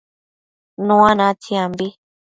Nua natsiambi